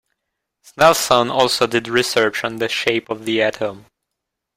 Snelson also did research on the shape of the atom.